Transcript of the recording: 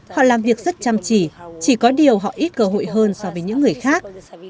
họ làm việc rất chăm chỉ chỉ có điều họ ít cơ hội hơn so với những người khác